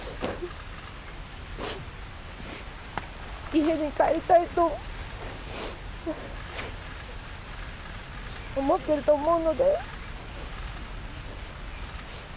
家に帰りたいと思ってると思うので。